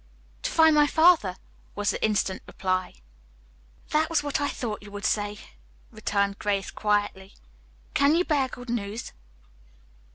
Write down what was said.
"To find my father," was the instant reply. "That is what I thought you would say," returned Grace quietly. "Can you bear good news?"